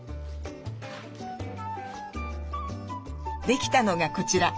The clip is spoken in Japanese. できたのがこちら。